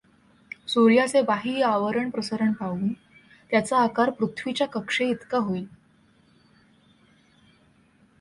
सूर्याचे बाह्य आवरण प्रसरण पावून त्याचा आकार पृथ्वीच्या कक्षेइतका होइल.